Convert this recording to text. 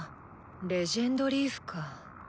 「レジェンドリーフ」か。